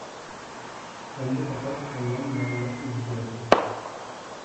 ئەمدى پەقەت كاللام مۇئەللەقتە ئۈزۈپ يۈرەتتى.